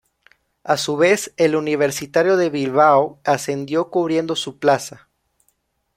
A su vez, el Universitario de Bilbao ascendió cubriendo su plaza.